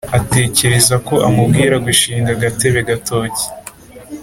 atekereza ko amubwira gushinga gatebe gatoke.